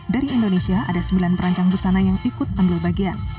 dari indonesia ada sembilan perancang busana yang ikut ambil bagian